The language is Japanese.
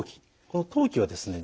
この当帰はですね